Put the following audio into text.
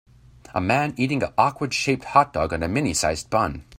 A man eating a awkward shaped hotdog on a mini sized bun.